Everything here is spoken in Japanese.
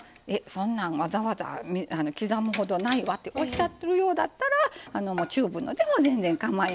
そんなんわざわざ刻むほどないわっておっしゃるようだったらチューブのでも全然かまいません。